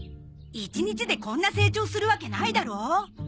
一日でこんな成長するわけないだろ。